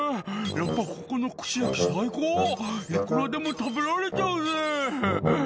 やっぱここの串焼き最高」「いくらでも食べられちゃうぜ」